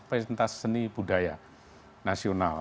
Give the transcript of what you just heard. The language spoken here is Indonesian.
presentasi seni budaya nasional